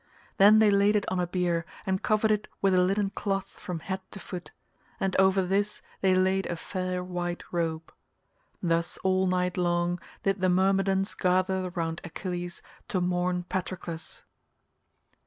Then they laid it on a bier and covered it with a linen cloth from head to foot, and over this they laid a fair white robe. Thus all night long did the Myrmidons gather round Achilles to mourn Patroclus.